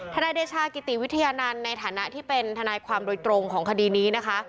นายเดชากิติวิทยานันต์ในฐานะที่เป็นทนายความโดยตรงของคดีนี้นะคะ